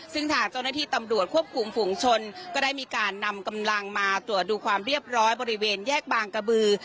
ซึ่งทางเจ้าหน้าที่ตำรวจควบคุมฝุงชนก็ได้มีการนำกำลังมาตรวจดูความเรียบร้อยบริเวณแยกบางกระบือ